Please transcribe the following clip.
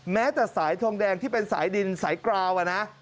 แม้แต่สายทองแดงที่เป็นสายดินสายกราวนะ